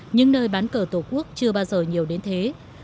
những nơi bán cờ tổ quốc chưa bao giờ nhiều đến thế